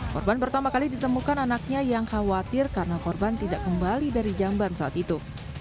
korban pertama kali ditemukan anaknya yang khawatir karena korban tidak kembali dari jamban saat itu